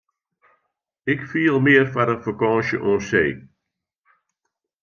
Ik fiel mear foar in fakânsje oan see.